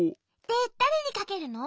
でだれにかけるの？